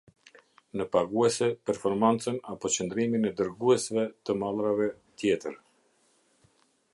Në paguese, performancën apo qëndrimin e dërgucsve të mallrave, tjetër.